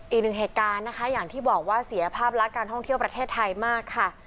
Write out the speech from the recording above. อีกหนึ่งเหตุการณ์นะคะอย่างที่บอกว่าเสียภาพลักษณ์การท่องเที่ยวประเทศไทยมากค่ะ